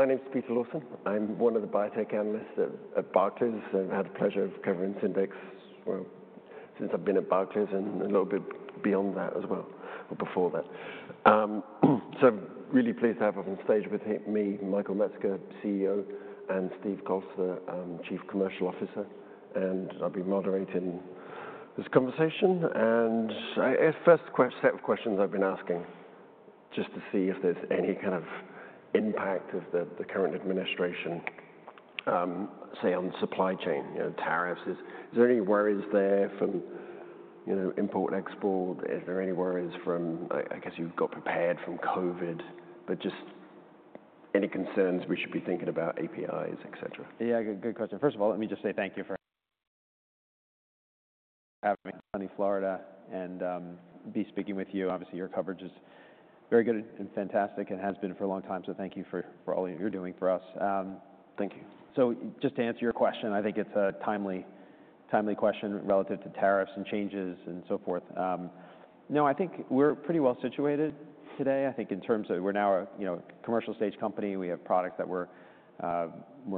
My name's Peter Lawson. I'm one of the biotech analysts at Barclays. I've had the pleasure of covering Syndax since I've been at Barclays and a little bit beyond that as well, or before that. I'm really pleased to have you on stage with me, Michael Metzger, CEO, and Steve Closter, Chief Commercial Officer. I'll be moderating this conversation. The first set of questions I've been asking, just to see if there's any kind of impact of the current administration, say, on supply chain, tariffs. Is there any worries there from import/export? Is there any worries from, I guess you've got prepared from COVID, but just any concerns we should be thinking about, APIs, et cetera? Yeah, good question. First of all, let me just say thank you for having me in sunny Florida and be speaking with you. Obviously, your coverage is very good and fantastic and has been for a long time. Thank you for all that you're doing for us. Thank you. Just to answer your question, I think it's a timely question relative to tariffs and changes and so forth. No, I think we're pretty well situated today. I think in terms of we're now a commercial stage company. We have products that we're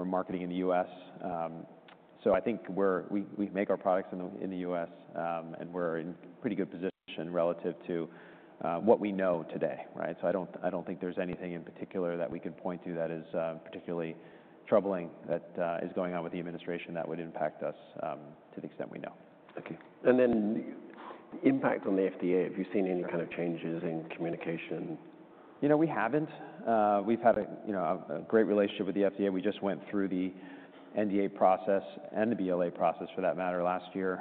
marketing in the U.S. I think we make our products in the U.S., and we're in a pretty good position relative to what we know today. I don't think there's anything in particular that we can point to that is particularly troubling that is going on with the administration that would impact us to the extent we know. Thank you. Have you seen any kind of changes in communication with the FDA? You know, we haven't. We've had a great relationship with the FDA. We just went through the NDA process and the BLA process, for that matter, last year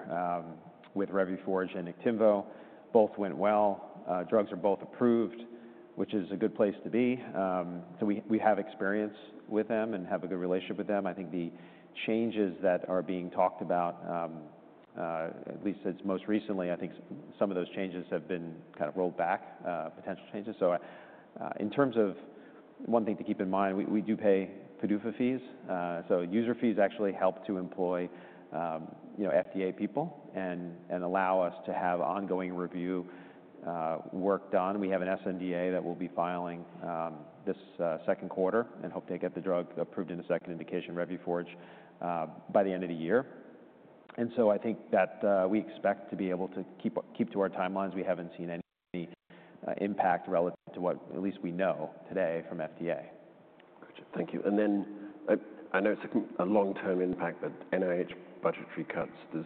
with revumenib and axatilimab. Both went well. Drugs are both approved, which is a good place to be. So we have experience with them and have a good relationship with them. I think the changes that are being talked about, at least since most recently, I think some of those changes have been kind of rolled back, potential changes. In terms of one thing to keep in mind, we do pay PDUFA fees. User fees actually help to employ FDA people and allow us to have ongoing review work done. We have an sNDA that we'll be filing this second quarter and hope to get the drug approved in a second indication, revumenib, by the end of the year. I think that we expect to be able to keep to our timelines. We haven't seen any impact relative to what at least we know today from FDA. Gotcha. Thank you. I know it's a long-term impact, but NIH budgetary cuts, does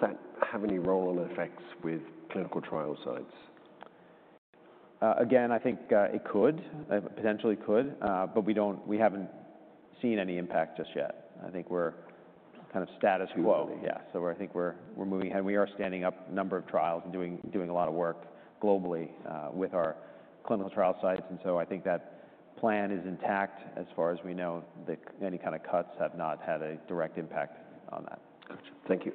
that have any role or effects with clinical trial sites? Again, I think it could, potentially could, but we haven't seen any impact just yet. I think we're kind of status quo. Status quo. Yeah. I think we're moving ahead. We are standing up a number of trials and doing a lot of work globally with our clinical trial sites. I think that plan is intact as far as we know. Any kind of cuts have not had a direct impact on that. Gotcha. Thank you.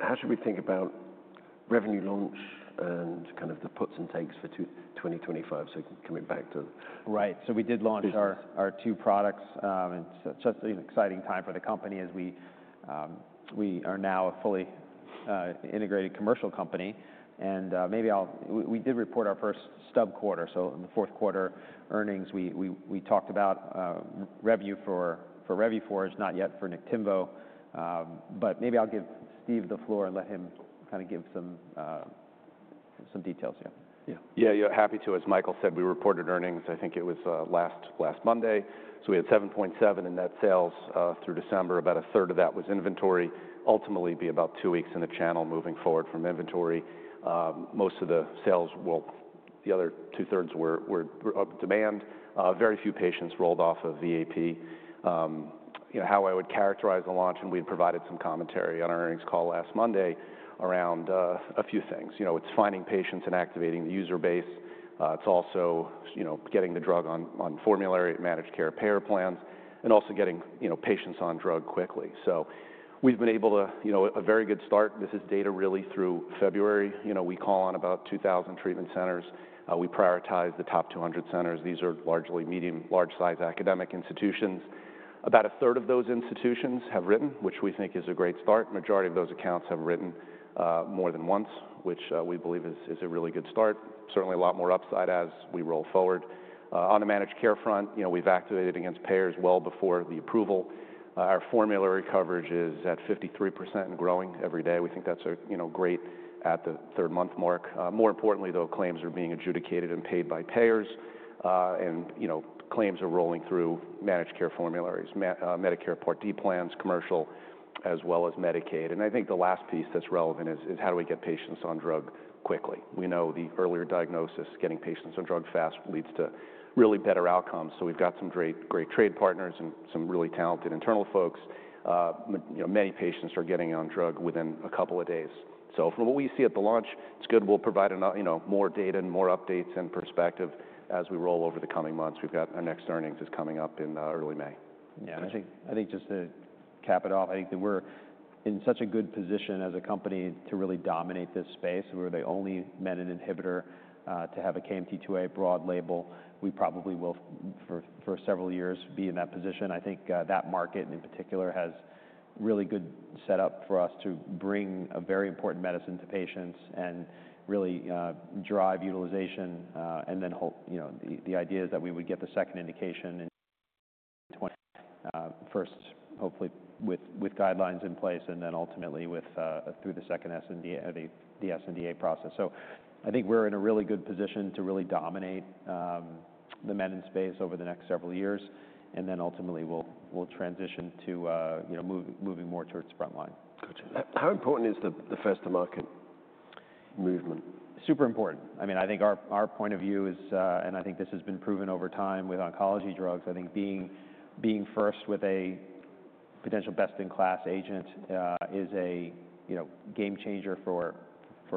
How should we think about revenue launch and kind of the puts and takes for 2025? Coming back to. Right. We did launch our two products. It is just an exciting time for the company as we are now a fully integrated commercial company. Maybe I will—we did report our first stub quarter. In the fourth quarter earnings, we talked about revenue for revumenib, not yet for axatilimab. Maybe I will give Steve the floor and let him kind of give some details. Yeah. Yeah, yeah, happy to. As Michael said, we reported earnings, I think it was last Monday. We had $7.7 million in net sales through December. About a third of that was inventory. Ultimately, it would be about two weeks in the channel moving forward from inventory. Most of the sales, well, the other two-thirds were demand. Very few patients rolled off of EAP. How I would characterize the launch, and we had provided some commentary on our earnings call last Monday around a few things. It is finding patients and activating the user base. It is also getting the drug on formulary, managed care payer plans, and also getting patients on drug quickly. We have been able to—a very good start. This is data really through February. We call on about 2,000 treatment centers. We prioritize the top 200 centers. These are largely medium, large-sized academic institutions. About a third of those institutions have written, which we think is a great start. The majority of those accounts have written more than once, which we believe is a really good start. Certainly, a lot more upside as we roll forward. On the managed care front, we have activated against payers well before the approval. Our formulary coverage is at 53% and growing every day. We think that is great at the third-month mark. More importantly, though, claims are being adjudicated and paid by payers, and claims are rolling through managed care formularies, Medicare Part D plans, commercial, as well as Medicaid. I think the last piece that is relevant is how do we get patients on drug quickly? We know the earlier diagnosis, getting patients on drug fast leads to really better outcomes. We have some great trade partners and some really talented internal folks. Many patients are getting on drug within a couple of days. From what we see at the launch, it's good. We'll provide more data and more updates and perspective as we roll over the coming months. We've got our next earnings coming up in early May. Yeah. I think just to cap it off, I think that we're in such a good position as a company to really dominate this space. We're the only menin inhibitor to have a KMT2A broad label. We probably will, for several years, be in that position. I think that market, in particular, has really good setup for us to bring a very important medicine to patients and really drive utilization. The idea is that we would get the second indication in 2025, first, hopefully, with guidelines in place and ultimately through the second sNDA, the sNDA process. I think we're in a really good position to really dominate the menin space over the next several years. Ultimately, we'll transition to moving more towards the front line. Gotcha. How important is the first-to-market movement? Super important. I mean, I think our point of view is, and I think this has been proven over time with oncology drugs, I think being first with a potential best-in-class agent is a game changer for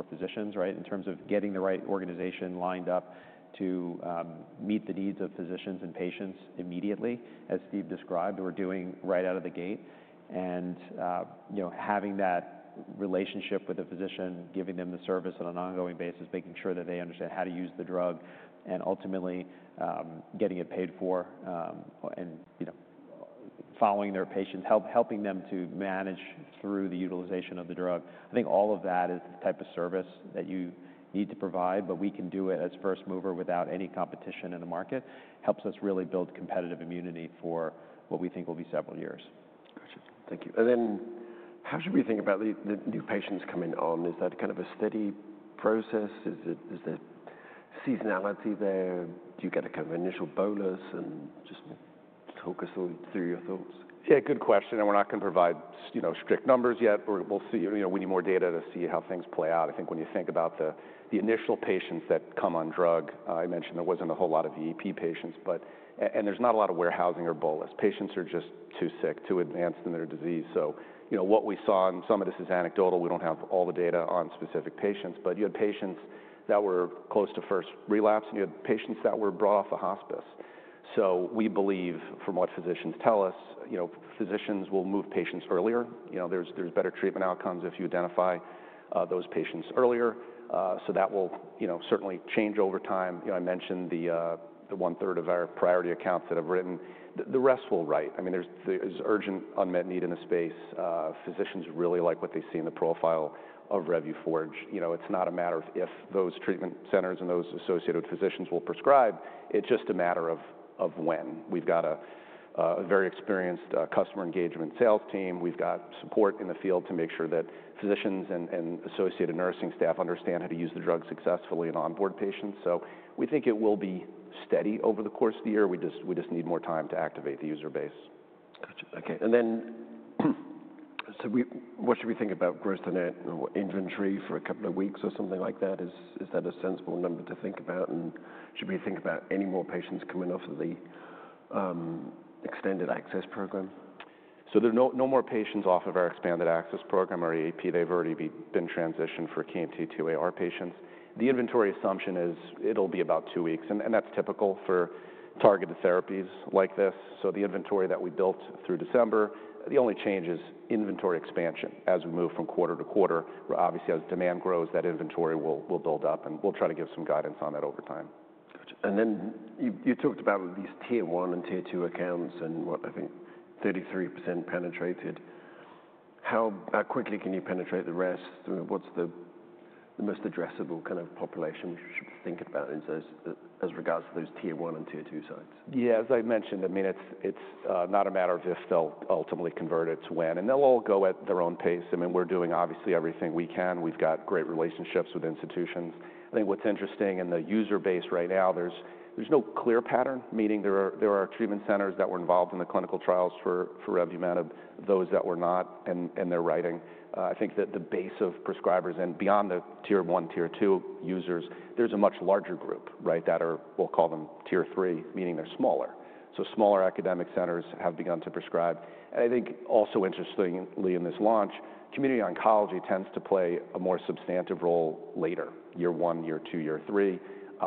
physicians, right, in terms of getting the right organization lined up to meet the needs of physicians and patients immediately, as Steve described. We are doing right out of the gate. Having that relationship with the physician, giving them the service on an ongoing basis, making sure that they understand how to use the drug, and ultimately getting it paid for and following their patients, helping them to manage through the utilization of the drug. I think all of that is the type of service that you need to provide, but we can do it as first mover without any competition in the market. It helps us really build competitive immunity for what we think will be several years. Gotcha. Thank you. How should we think about the new patients coming on? Is that kind of a steady process? Is there seasonality there? Do you get a kind of initial bolus and just talk us through your thoughts? Yeah, good question. We're not going to provide strict numbers yet. We need more data to see how things play out. I think when you think about the initial patients that come on drug, I mentioned there was not a whole lot of EAP patients, and there's not a lot of warehousing or bolus. Patients are just too sick, too advanced in their disease. What we saw, and some of this is anecdotal, we do not have all the data on specific patients, but you had patients that were close to first relapse, and you had patients that were brought off hospice. We believe, from what physicians tell us, physicians will move patients earlier. There are better treatment outcomes if you identify those patients earlier. That will certainly change over time. I mentioned the one-third of our priority accounts that have written. The rest will write. I mean, there's urgent unmet need in the space. Physicians really like what they see in the profile of revumenib. It's not a matter of if those treatment centers and those associated physicians will prescribe. It's just a matter of when. We've got a very experienced customer engagement sales team. We've got support in the field to make sure that physicians and associated nursing staff understand how to use the drug successfully and onboard patients. We think it will be steady over the course of the year. We just need more time to activate the user base. Gotcha. Okay. What should we think about growth in inventory for a couple of weeks or something like that? Is that a sensible number to think about? Should we think about any more patients coming off of the expanded access program? There are no more patients off of our Expanded Access Program or EAP. They've already been transitioned for KMT2A patients. The inventory assumption is it'll be about two weeks, and that's typical for targeted therapies like this. The inventory that we built through December, the only change is inventory expansion as we move from quarter to quarter. Obviously, as demand grows, that inventory will build up, and we'll try to give some guidance on that over time. Gotcha. You talked about these tier one and tier two accounts and what I think 33% penetrated. How quickly can you penetrate the rest? What's the most addressable kind of population we should think about as regards to those tier one and tier two sites? Yeah, as I mentioned, I mean, it's not a matter of if they'll ultimately convert, it's when. They'll all go at their own pace. I mean, we're doing obviously everything we can. We've got great relationships with institutions. I think what's interesting in the user base right now, there's no clear pattern, meaning there are treatment centers that were involved in the clinical trials for revumenib, those that were not, and they're writing. I think that the base of prescribers and beyond the tier one, tier two users, there's a much larger group, right, that are, we'll call them Tier 3, meaning they're smaller. Smaller academic centers have begun to prescribe. I think also interestingly in this launch, community oncology tends to play a more substantive role later, year one, year two, year three.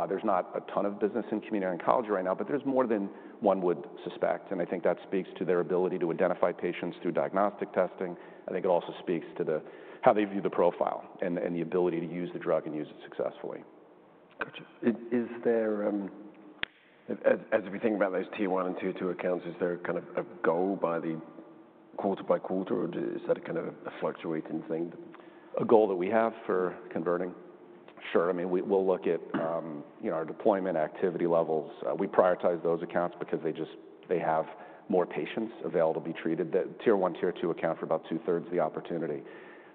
There's not a ton of business in community oncology right now, but there's more than one would suspect. I think that speaks to their ability to identify patients through diagnostic testing. I think it also speaks to how they view the profile and the ability to use the drug and use it successfully. Gotcha. Is there, as we think about those Tier 1 and Tier 2 accounts, is there kind of a goal by the quarter-by-quarter, or is that a kind of a fluctuating thing? A goal that we have for converting? Sure. I mean, we'll look at our deployment activity levels. We prioritize those accounts because they have more patients available to be treated. The tier one, tier two account for about two-thirds the opportunity.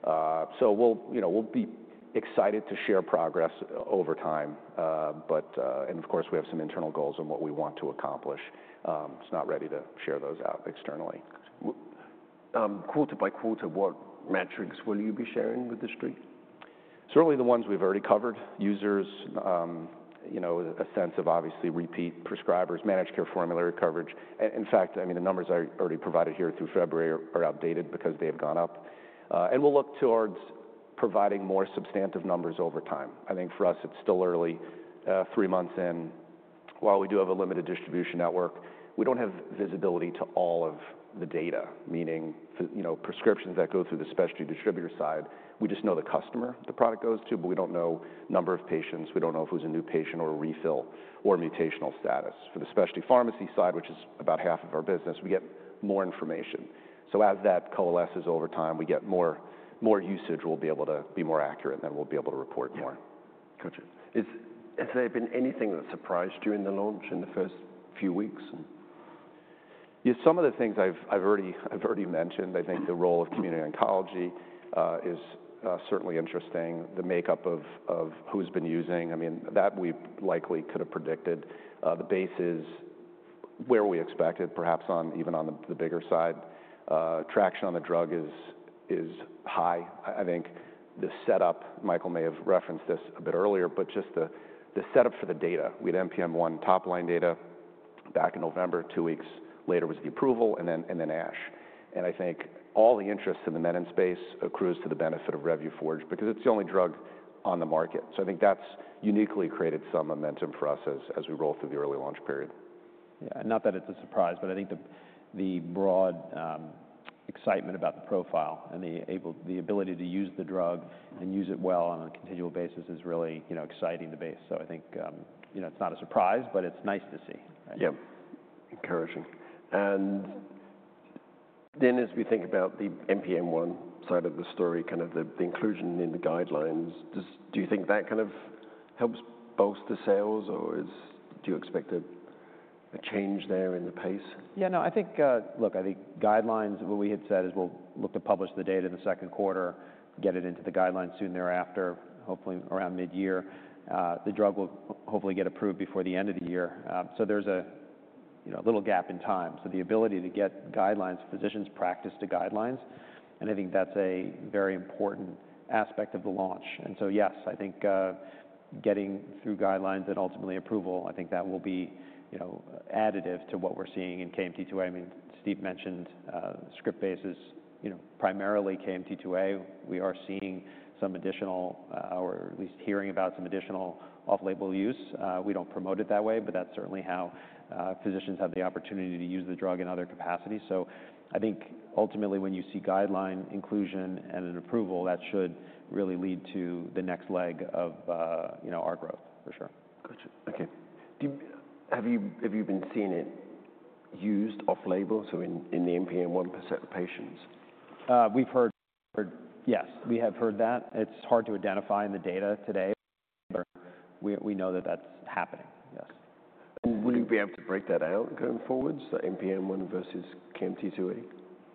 We will be excited to share progress over time. Of course, we have some internal goals on what we want to accomplish. It's not ready to share those out externally. Quarter-by-quarter, what metrics will you be sharing with the street? Certainly the ones we've already covered, users, a sense of obviously repeat prescribers, managed care formulary coverage. In fact, I mean, the numbers I already provided here through February are outdated because they have gone up. We will look towards providing more substantive numbers over time. I think for us, it's still early, three months in. While we do have a limited distribution network, we don't have visibility to all of the data, meaning prescriptions that go through the specialty distributor side. We just know the customer the product goes to, but we don't know the number of patients. We don't know if it was a new patient or a refill or mutational status. For the specialty pharmacy side, which is about half of our business, we get more information. As that coalesces over time, we get more usage, we'll be able to be more accurate, and then we'll be able to report more. Gotcha. Has there been anything that surprised you in the launch in the first few weeks? Yeah, some of the things I've already mentioned. I think the role of community oncology is certainly interesting, the makeup of who's been using. I mean, that we likely could have predicted. The base is where we expected, perhaps even on the bigger side. Traction on the drug is high. I think the setup, Michael may have referenced this a bit earlier, but just the setup for the data. We had NPM1 top-line data back in November. Two weeks later was the approval, and then ASH. I think all the interests in the menin space accrues to the benefit of revumenib because it's the only drug on the market. I think that's uniquely created some momentum for us as we roll through the early launch period. Yeah. is not that it is a surprise, but I think the broad excitement about the profile and the ability to use the drug and use it well on a continual basis is really exciting the base. I think it is not a surprise, but it is nice to see. Yeah, encouraging. As we think about the NPM1 side of the story, kind of the inclusion in the guidelines, do you think that kind of helps bolster sales, or do you expect a change there in the pace? Yeah, no, I think, look, I think guidelines, what we had said is we'll look to publish the data in the second quarter, get it into the guidelines soon thereafter, hopefully around mid-year. The drug will hopefully get approved before the end of the year. There is a little gap in time. The ability to get guidelines, physicians' practice to guidelines, and I think that's a very important aspect of the launch. Yes, I think getting through guidelines and ultimately approval, I think that will be additive to what we're seeing in KMT2A. I mean, Steve mentioned script basis primarily KMT2A. We are seeing some additional, or at least hearing about some additional off-label use. We do not promote it that way, but that's certainly how physicians have the opportunity to use the drug in other capacities. I think ultimately when you see guideline inclusion and an approval, that should really lead to the next leg of our growth, for sure. Gotcha. Okay. Have you been seeing it used off-label, so in the NPM1 patients? We've heard, yes, we have heard that. It's hard to identify in the data today, but we know that that's happening, yes. Will you be able to break that out going forward, so NPM1 versus KMT2A?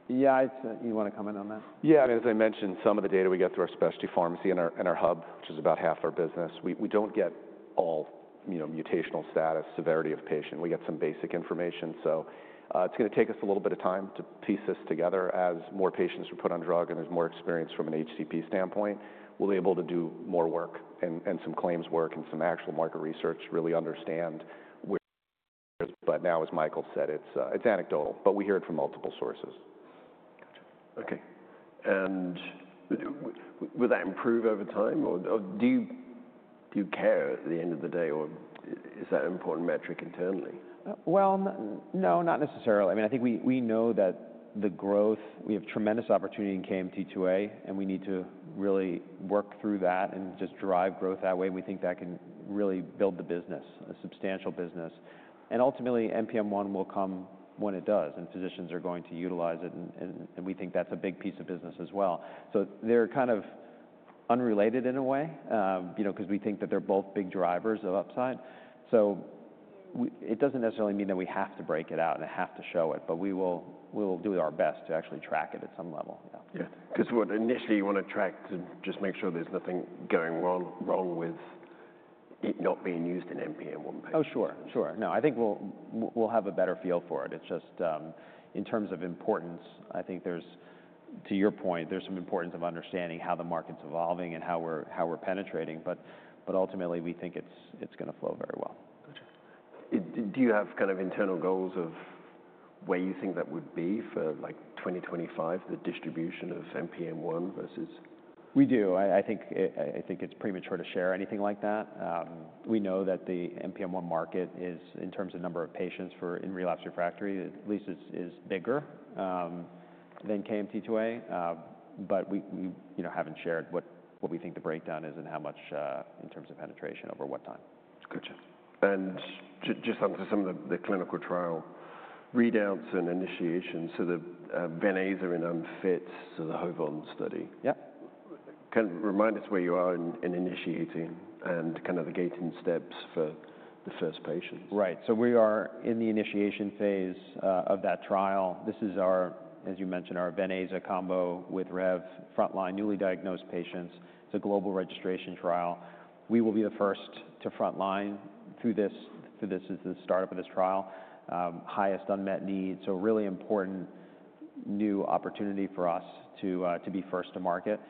Yeah, you want to comment on that? Yeah, I mean, as I mentioned, some of the data we get through our specialty pharmacy and our hub, which is about half our business, we do not get all mutational status, severity of patient. We get some basic information. It is going to take us a little bit of time to piece this together. As more patients are put on drug and there is more experience from an HCP standpoint, we will be able to do more work and some claims work and some actual market research, really understand where. As Michael said, it is anecdotal, but we hear it from multiple sources. Gotcha. Okay. Will that improve over time? Or do you care at the end of the day, or is that an important metric internally? No, not necessarily. I mean, I think we know that the growth, we have tremendous opportunity in KMT2A, and we need to really work through that and just drive growth that way. We think that can really build the business, a substantial business. Ultimately, NPM1 will come when it does, and physicians are going to utilize it, and we think that's a big piece of business as well. They are kind of unrelated in a way because we think that they are both big drivers of upside. It does not necessarily mean that we have to break it out and have to show it, but we will do our best to actually track it at some level, yeah. Good. Because initially, you want to track to just make sure there's nothing going wrong with it not being used in NPM1 patients. Oh, sure, sure. No, I think we'll have a better feel for it. It's just in terms of importance, I think there's, to your point, there's some importance of understanding how the market's evolving and how we're penetrating. Ultimately, we think it's going to flow very well. Gotcha. Do you have kind of internal goals of where you think that would be for like 2025, the distribution of NPM1 versus? We do. I think it's premature to share anything like that. We know that the NPM1 market is, in terms of number of patients in relapse refractory, at least is bigger than KMT2A, but we haven't shared what we think the breakdown is and how much in terms of penetration over what time. Gotcha. Just onto some of the clinical trial readouts and initiation. The venetoclax and unfit, so the HOVON study. Yep. Kind of remind us where you are in initiating and kind of the gating steps for the first patients. Right. We are in the initiation phase of that trial. This is, as you mentioned, our venetoclax combo with revumenib frontline newly diagnosed patients. It is a global registration trial. We will be the first to frontline through this as the startup of this trial, highest unmet need. Really important new opportunity for us to be first to market.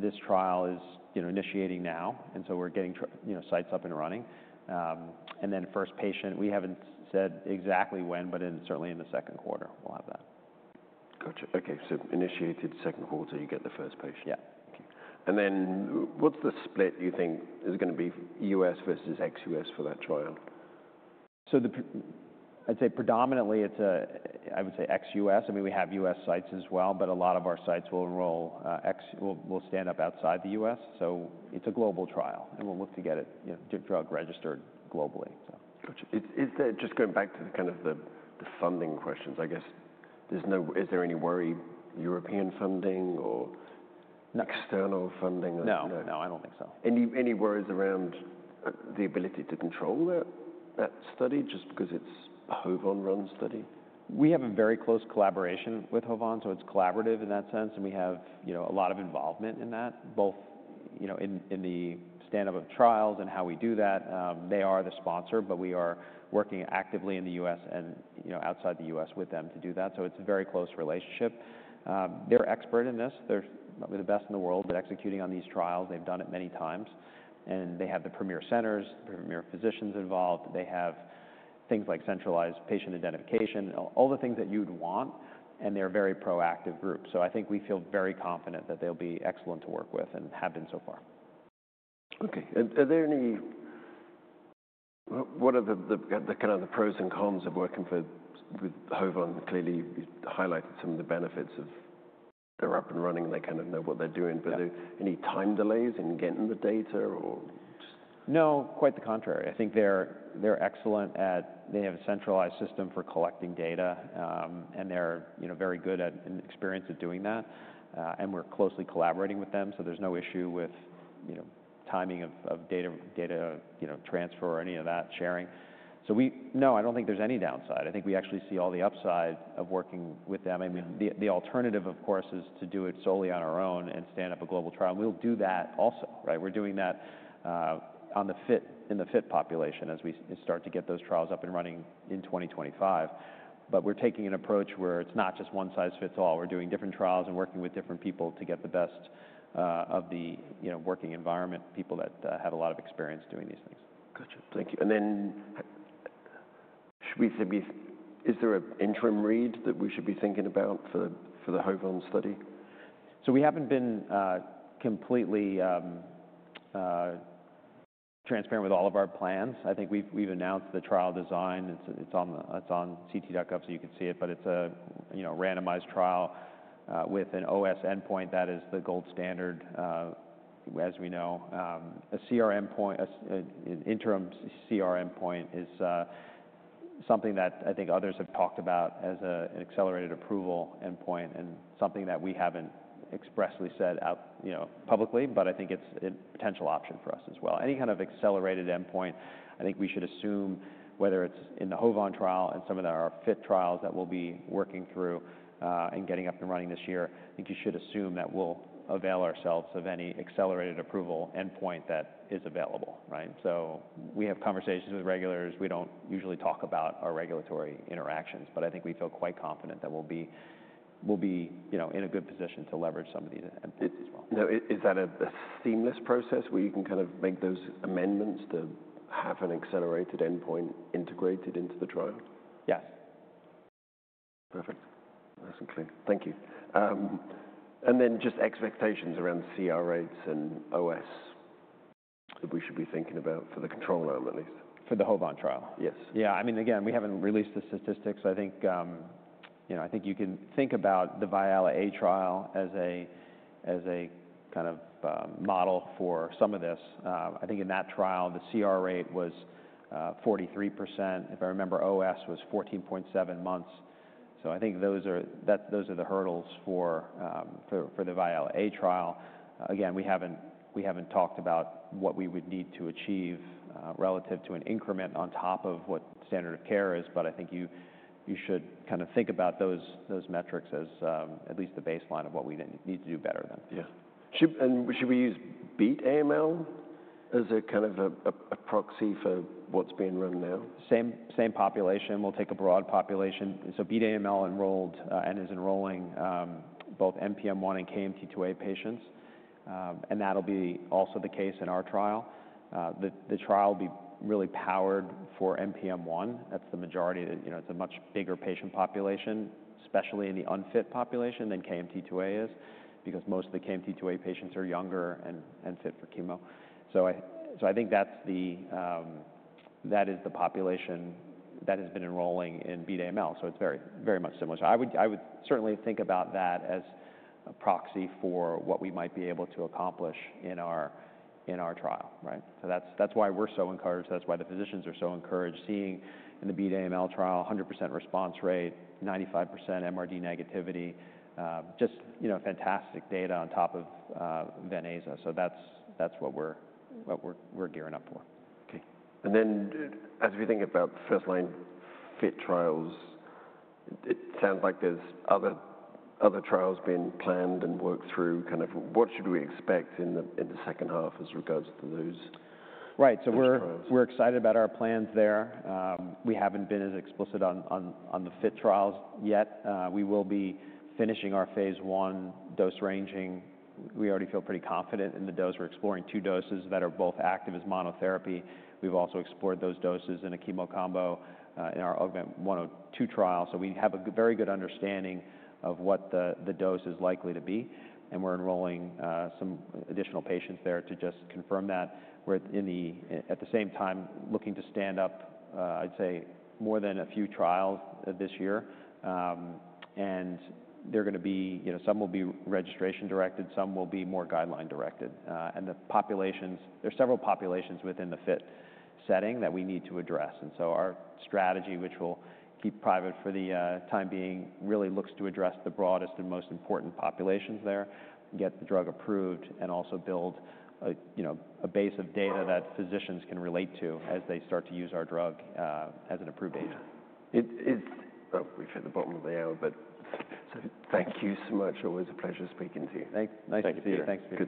This trial is initiating now, and we are getting sites up and running. First patient, we have not said exactly when, but certainly in the second quarter, we will have that. Gotcha. Okay. Initiated second quarter, you get the first patient. Yeah. Okay. What is the split you think is going to be U.S. versus ex-U.S. for that trial? I'd say predominantly it's a, I would say ex-U.S. I mean, we have U.S. sites as well, but a lot of our sites will stand up outside the U.S. It's a global trial, and we'll look to get it drug registered globally. Gotcha. Just going back to kind of the funding questions, I guess, is there any worry, European funding or external funding? No, no, I don't think so. Any worries around the ability to control that study just because it's a HOVON-run study? We have a very close collaboration with HOVON, so it's collaborative in that sense. We have a lot of involvement in that, both in the standup of trials and how we do that. They are the sponsor, but we are working actively in the U.S. and outside the U.S. with them to do that. It is a very close relationship. They are expert in this. They are probably the best in the world at executing on these trials. They have done it many times. They have the premier centers, premier physicians involved. They have things like centralized patient identification, all the things that you would want. They are a very proactive group. I think we feel very confident that they will be excellent to work with and have been so far. Okay. Are there any, what are the kind of the pros and cons of working with HOVON? Clearly, you've highlighted some of the benefits of they're up and running and they kind of know what they're doing. Any time delays in getting the data or just? No, quite the contrary. I think they're excellent at they have a centralized system for collecting data, and they're very good at and experienced at doing that. I mean, we're closely collaborating with them, so there's no issue with timing of data transfer or any of that sharing. No, I don't think there's any downside. I think we actually see all the upside of working with them. I mean, the alternative, of course, is to do it solely on our own and stand up a global trial. We'll do that also, right? We're doing that in the fit population as we start to get those trials up and running in 2025. We're taking an approach where it's not just one size fits all. We're doing different trials and working with different people to get the best of the working environment, people that have a lot of experience doing these things. Gotcha. Thank you. Should we say, is there an interim read that we should be thinking about for the HOVON study? We haven't been completely transparent with all of our plans. I think we've announced the trial design. It's on CT.gov, so you can see it, but it's a randomized trial with an OS endpoint that is the gold standard as we know. An interim CR endpoint is something that I think others have talked about as an accelerated approval endpoint and something that we haven't expressly said out publicly, but I think it's a potential option for us as well. Any kind of accelerated endpoint, I think we should assume, whether it's in the HOVON trial and some of our fit trials that we'll be working through and getting up and running this year, I think you should assume that we'll avail ourselves of any accelerated approval endpoint that is available, right? We have conversations with regulators. We don't usually talk about our regulatory interactions, but I think we feel quite confident that we'll be in a good position to leverage some of these endpoints as well. Now, is that a seamless process where you can kind of make those amendments to have an accelerated endpoint integrated into the trial? Yes. Perfect. Nice and clear. Thank you. Just expectations around CR rates and OS that we should be thinking about for the control arm, at least. For the HOVON trial? Yes. Yeah. I mean, again, we haven't released the statistics. I think you can think about the VIALE-A trial as a kind of model for some of this. I think in that trial, the CR rate was 43%. If I remember, OS was 14.7 months. I think those are the hurdles for the VIALE-A trial. Again, we haven't talked about what we would need to achieve relative to an increment on top of what standard of care is, but I think you should kind of think about those metrics as at least the baseline of what we need to do better than. Yeah. Should we use BEAT AML as a kind of a proxy for what's being run now? Same population. We'll take a broad population. BEAT AML enrolled and is enrolling both NPM1 and KMT2A patients. That'll be also the case in our trial. The trial will be really powered for NPM1. That's the majority. It's a much bigger patient population, especially in the unfit population than KMT2A is, because most of the KMT2A patients are younger and fit for chemo. I think that is the population that has been enrolling in BEAT AML. It's very much similar. I would certainly think about that as a proxy for what we might be able to accomplish in our trial, right? That's why we're so encouraged. That's why the physicians are so encouraged, seeing in the BEAT AML trial, 100% response rate, 95% MRD negativity, just fantastic data on top of venetoclax. That's what we're gearing up for. Okay. As we think about first-line fit trials, it sounds like there are other trials being planned and worked through. Kind of what should we expect in the second half as regards to those fit trials? Right. We're excited about our plans there. We haven't been as explicit on the fit trials yet. We will be finishing our phase one dose ranging. We already feel pretty confident in the dose. We're exploring two doses that are both active as monotherapy. We've also explored those doses in a chemo combo in our AUGMENT-102 trial. We have a very good understanding of what the dose is likely to be. We're enrolling some additional patients there to just confirm that. We're, at the same time, looking to stand up, I'd say, more than a few trials this year. There are going to be some will be registration-directed, some will be more guideline-directed. There are several populations within the fit setting that we need to address. Our strategy, which we'll keep private for the time being, really looks to address the broadest and most important populations there, get the drug approved, and also build a base of data that physicians can relate to as they start to use our drug as an approved agent. We've hit the bottom of the hour, but thank you so much. Always a pleasure speaking to you. Thank you. Nice to see you. Thank you.